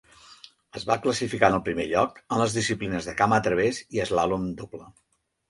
Es va classificar en el primer lloc en les disciplines de camp a través i eslàlom doble.